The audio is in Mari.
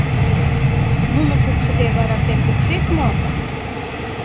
Нуно пукшыде, вара тый пукшет мо?